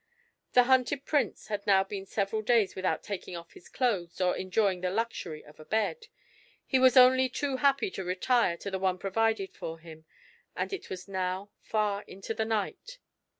The hunted Prince had now been several days without taking off his clothes or enjoying the luxury of a bed. He was only too happy to retire to the one provided for him, and it was now far into the night.